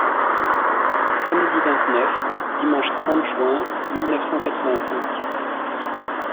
Samedi vingt-neuf, dimanche trente juin mille neuf cent quatre-vingt-cinq.